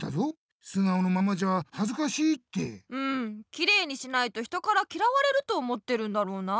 きれいにしないと人からきらわれると思ってるんだろうなあ。